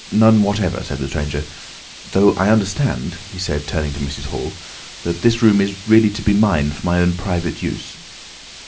"None whatever," said the stranger. "Though, I understand," he said turning to Mrs. Hall, "that this room is really to be mine for my own private use."